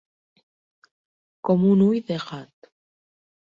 Com un ull de gat.